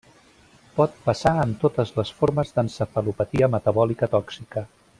Pot passar en totes les formes d'encefalopatia metabòlica tòxica.